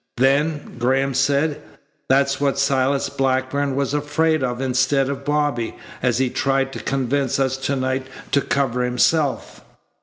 "Then," Graham said, "that's what Silas Blackburn was afraid of instead of Bobby, as he tried to convince us to night to cover himself."